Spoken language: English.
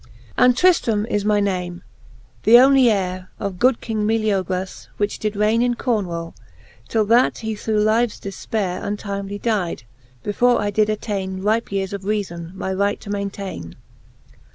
And Triftram is myname, theonelyheire Of good king Melhgras, which did rayne In Cornewale, till that he through lives defpeire Untimely dyde, before I did attaine Ripe yeares of reafbn, my right to maintaine.